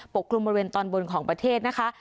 กลุ่มบริเวณตอนบนของประเทศนะคะ